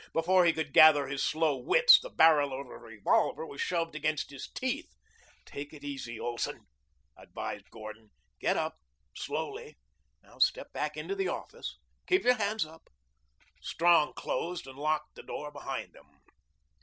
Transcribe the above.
Before he could gather his slow wits, the barrel of a revolver was shoved against his teeth. "Take it easy, Olson," advised Gordon. "Get up slowly. Now, step back into the office. Keep your hands up." Strong closed and locked the door behind them.